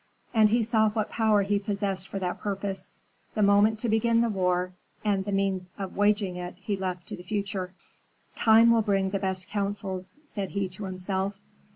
And he saw what power he possessed for that purpose. The moment to begin the war and the means of waging it he left to the future. "Time will bring the best counsels," said he to himself.